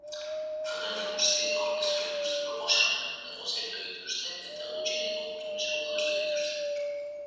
Alderdi guztiek aurkeztu dituzte proposamenak, negoziatu dituzten eta gutxieneko konpromisoak adostu dituzte.